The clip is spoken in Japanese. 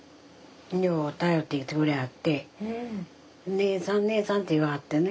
姉さん姉さんって言わはってね